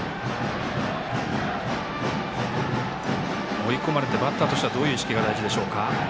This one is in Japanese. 追い込まれてバッターとしてはどういう意識が必要でしょうか。